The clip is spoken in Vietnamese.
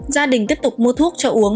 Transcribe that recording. gia đình tiếp tục mua thuốc cho uống